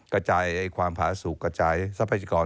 กระจายความผาสุขกระจายทรัพยากร